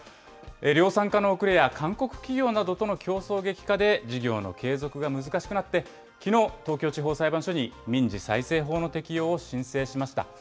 量産化の遅れや韓国企業との競争激化で事業の継続が難しくなって、きのう、東京地方裁判所に民事再生法の適用を申請しました。